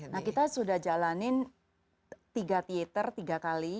nah kita sudah jalanin tiga twitter tiga kali